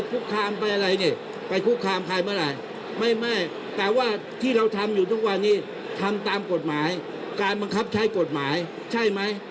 ทุกวันนี้ทำตามกฎหมายการบังคับใช้กฎหมายใช่ไหม